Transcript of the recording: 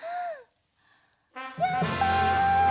やった！